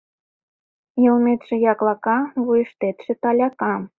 Йылметше яклака, вуйыштетше таляка...